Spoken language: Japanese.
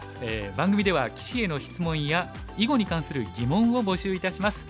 番組では棋士への質問や囲碁に関する疑問を募集いたします。